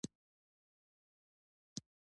دا پاڅون د مغولو د تسلط پر وړاندې هم و.